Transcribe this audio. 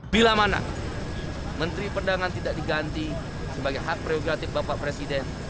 bila mana menteri perdagangan tidak diganti sebagai hak prerogatif bapak presiden